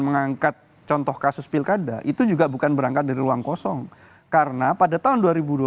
mengangkat contoh kasus pilkada itu juga bukan berangkat dari ruang kosong karena pada tahun